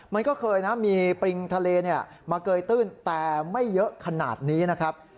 มันก็เคยนะมีปริงทะเลมาเกยตื้นแต่ไม่เยอะขนาดนี้นะครับ